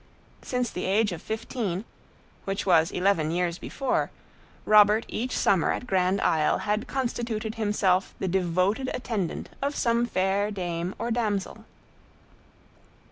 Since the age of fifteen, which was eleven years before, Robert each summer at Grand Isle had constituted himself the devoted attendant of some fair dame or damsel.